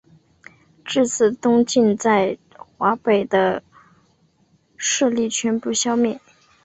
至此东晋在华北的势力全部消灭。